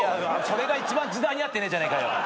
それが一番時代に合ってねえじゃねえかよ。